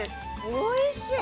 おいしい。